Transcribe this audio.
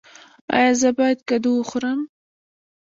ایا زه باید کدو وخورم؟